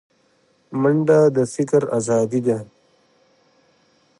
منډه د فکر ازادي ده